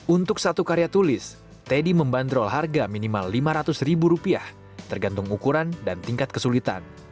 untuk satu karya tulis teddy membandrol harga minimal lima ratus ribu rupiah tergantung ukuran dan tingkat kesulitan